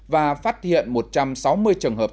và phát hiện một trăm sáu mươi trường hợp